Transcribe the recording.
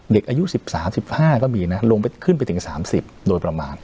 เด็กอายุ๑๓๑๕ก็มีนะลงไปขึ้นไปถึง๓๐โดยประมาณ